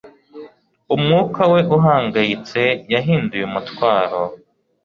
Umwuka we uhangayitse yahinduye umutwaro